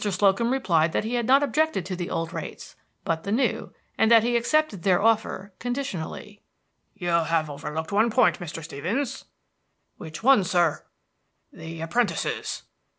Slocum replied that he had not objected to the old rates, but the new, and that he accepted their offer conditionally. "You have overlooked one point, Mr. Stevens." "Which one, sir?" "The apprentices."